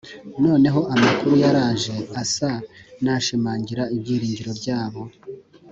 . Noneho amakuru yaraje asa n’ashimangira ibyiringiro byabo.